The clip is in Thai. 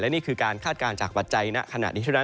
และนี่คือการคาดการณ์จากวัดใจณขนาดนี้เท่านั้น